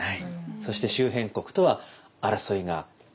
そして周辺国とは争いが絶えない。